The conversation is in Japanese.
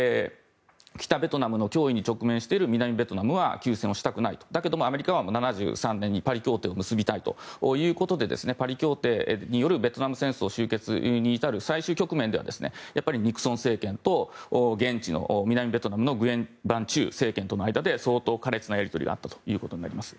北ベトナムの脅威に直面している南ベトナムは休戦をしたくないとだけどもアメリカは７３年にパリ協定を結びたいということでパリ協定によるベトナム戦争終結に至る最終局面ではやっぱりニクソン政権と現地の南ベトナムのグエン政権の間で相当な苛烈なのやり取りがあったということです。